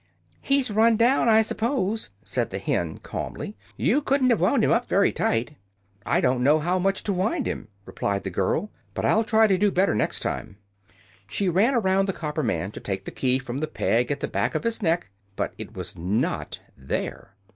"He's run down, I suppose," said the hen, calmly. "You couldn't have wound him up very tight." "I didn't know how much to wind him," replied the girl; "but I'll try to do better next time." She ran around the copper man to take the key from the peg at the back of his neck, but it was not there.